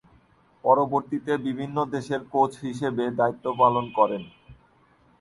পরবর্তীতে বিভিন্ন দেশের কোচ হিসেবে দায়িত্ব পালন করেন।